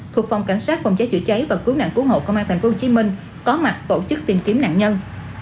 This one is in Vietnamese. thuộc phòng cảnh sát phòng cháy chữa cháy và cứu nạn cứu hộ công an tp hcm có mặt tổ chức tìm kiếm nạn nhân